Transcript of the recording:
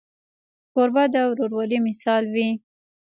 کوربه د ورورولۍ مثال وي.